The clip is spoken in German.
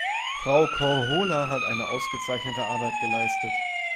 Frau Korhola hat eine ausgezeichnete Arbeit geleistet.